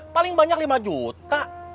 paling banyak lima juta